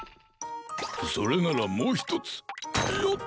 それならもうひとつよっ！